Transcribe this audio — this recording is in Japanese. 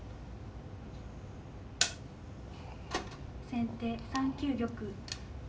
先手３九玉。